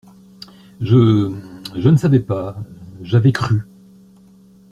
Je… je ne savais pas,… j’avais cru…